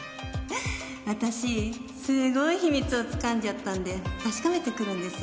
私すごい秘密をつかんじゃったんで確かめてくるんです。